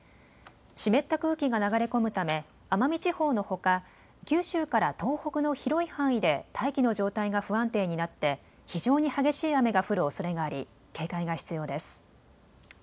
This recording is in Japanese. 湿った空気が流れ込むため奄美地方のほか九州から東北の広い範囲で大気の状態が不安定になって非常に激しい雨が降るおそれがあり警戒が必要です。